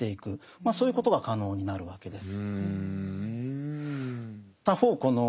そういうことが可能になるわけです。